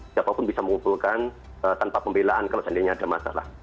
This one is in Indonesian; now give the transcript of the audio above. siapapun bisa mengumpulkan tanpa pembelaan kalau seandainya ada masalah